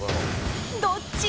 どっち？